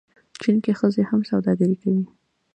چین کې ښځې هم سوداګري کوي.